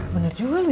bener juga lo ya